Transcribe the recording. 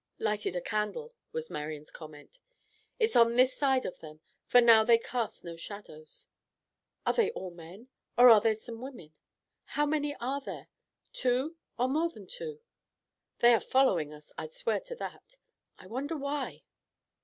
"Lighted a candle," was Marian's comment. "It's on this side of them, for now they cast no shadows. Are they all men? Or, are there some women? How many are there? Two, or more than two? They are following us. I'd swear to that. I wonder why?"